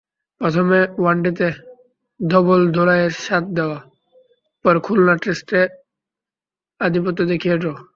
প্রথমে ওয়ানডেতে ধবলধোলাইয়ের স্বাদ দেওয়া, পরে খুলনা টেস্টে আধিপত্য দেখিয়ে ড্র।